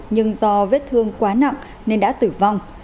nhưng do vết thương quá nặng nên đã tử vong